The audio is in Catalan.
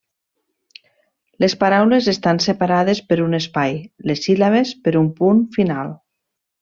Les paraules estan separades per un espai, les síl·labes per un punt final.